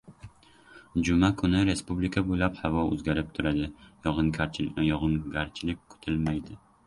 Juma kuni respublika bo‘ylab havo o‘zgarib turadi, yog‘ingarchilik kutilmaydi